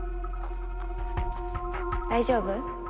大丈夫？